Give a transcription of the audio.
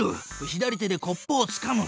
左手でコップをつかむ！